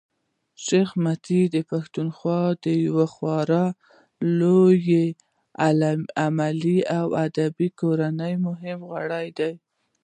شېخ متي د پښتنو د یوې خورا لويي علمي او ادبي کورنۍمهم غړی دﺉ.